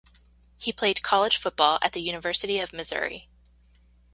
He played college football at the University of Missouri.